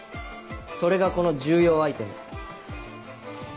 それがこの重要アイテム。